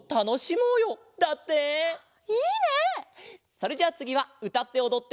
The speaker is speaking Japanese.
それじゃあつぎはうたっておどって。